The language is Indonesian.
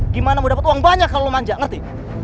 gimana mau dapat uang banyak kalau lo manja ngerti